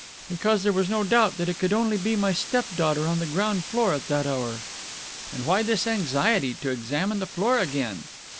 "Because there was no doubt that it could only be my step daughter on the ground floor at that hour." "And why this anxiety to examine the floor again?"